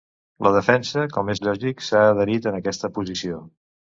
La defensa, com és lògic, s’ha adherit en aquesta posició.